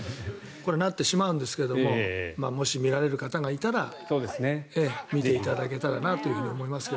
これ、なってしまうんですがもし見られる方がいたら見ていただけたらと思いますが。